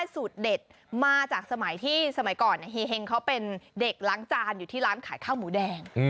สูตรเด็ดมาจากสมัยที่สมัยก่อนเฮงเขาเป็นเด็กล้างจานอยู่ที่ร้านขายข้าวหมูแดง